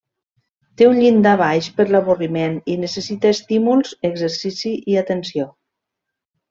Té un llindar baix per l'avorriment i necessita estímuls, exercici i atenció.